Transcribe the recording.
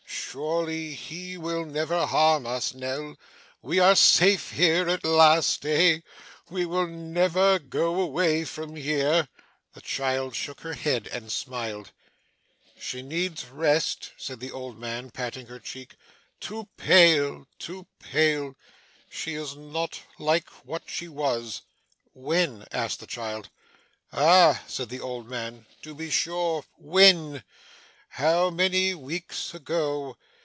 Surely he will never harm us, Nell. We are safe here, at last, eh? We will never go away from here?' The child shook her head and smiled. 'She needs rest,' said the old man, patting her cheek; 'too pale too pale. She is not like what she was.' 'When?' asked the child. 'Ha!' said the old man, 'to be sure when? How many weeks ago?